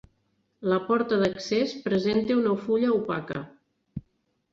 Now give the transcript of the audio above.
La porta d'accés presenta una fulla opaca.